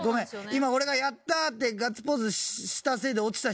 今俺が「やったー！」ってガッツポーズしたせいで落ちた人いる。